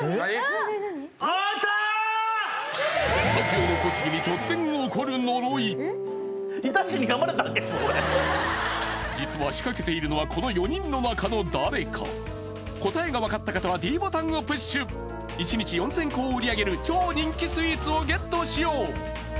スタジオの実は仕掛けているのはこの４人の中の誰か答えが分かった方はｄボタンをプッシュ１日４０００個を売り上げる超人気スイーツをゲットしよう！